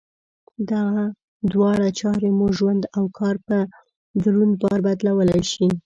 دغه دواړه چارې مو ژوند او کار په دروند بار بدلولای شي.